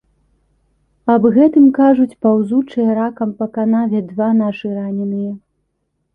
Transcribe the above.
Аб гэтым кажуць паўзучыя ракам па канаве два нашы раненыя.